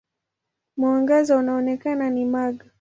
Mwangaza unaoonekana ni mag.